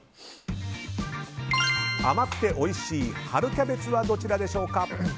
甘くておいしい春キャベツはどちらでしょうか。